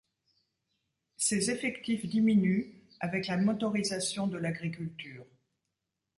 Ses effectifs diminuent avec la motorisation de l'agriculture.